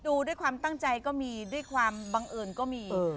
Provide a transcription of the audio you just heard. ดูด้วยความตั้งใจก็มีด้วยความบังเอิญก็มี